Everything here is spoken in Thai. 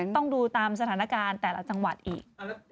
ต้องดูตามสถานการณ์แต่ละจังหวัดอีก